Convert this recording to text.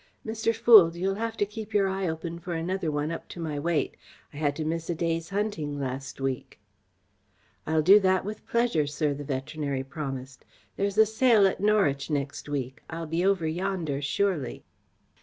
Mr. Foulds, you'll have to keep your eye open for another one up to my weight. I had to miss a day's hunting last week." "I'll do that with pleasure, sir," the veterinary promised. "There's a sale at Norwich next week. I'll be over yonder, surely."